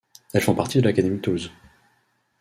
Elles font partie de l'académie de Toulouse.